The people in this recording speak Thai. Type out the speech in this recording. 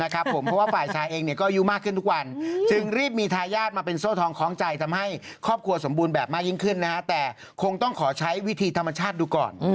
ครอบครัวสมบูรณ์แบบมากยิ่งขึ้นนะฮะแต่คงต้องขอใช้วิธีธรรมชาติดูก่อน